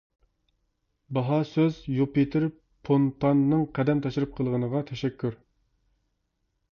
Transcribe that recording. باھا سۆز يۇپىتېر فونتاننىڭ قەدەم تەشرىپ قىلغىنىغا تەشەككۈر!